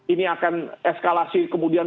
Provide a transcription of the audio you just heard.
ini akan eskalasi kemudian